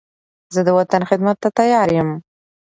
زه د وطن خدمت ته تیار یم.